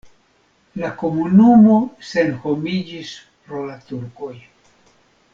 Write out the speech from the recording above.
La komunumo senhomiĝis pro la turkoj.